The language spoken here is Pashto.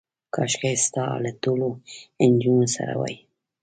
کاشکې ستا له ټولو نجونو سره وای.